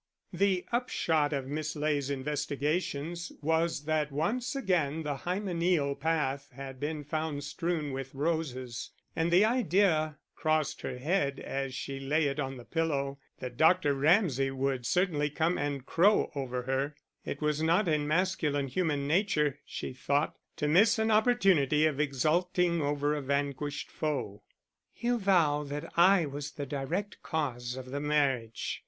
The upshot of Miss Ley's investigations was that once again the hymeneal path had been found strewn with roses; and the idea crossed her head as she laid it on the pillow, that Dr. Ramsay would certainly come and crow over her: it was not in masculine human nature, she thought, to miss an opportunity of exulting over a vanquished foe. "He'll vow that I was the direct cause of the marriage.